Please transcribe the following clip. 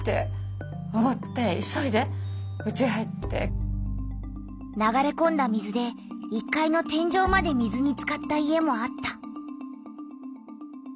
そして流れこんだ水で１階の天じょうまで水につかった家もあった。